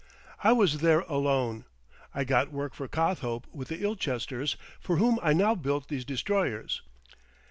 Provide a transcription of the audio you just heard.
I was there alone. I got work for Cothope with the Ilchesters, for whom I now build these destroyers.